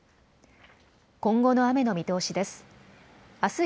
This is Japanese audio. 今後の雨の見通しです。